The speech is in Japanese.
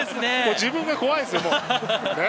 自分が怖いですよ、もう。